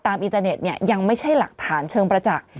อินเทอร์เน็ตเนี่ยยังไม่ใช่หลักฐานเชิงประจักษ์